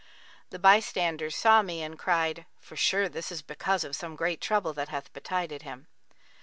The bystanders saw me and cried, 'For sure, this is because of some great trouble that hath betided him.'